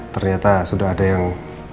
ternyata sudah ada yang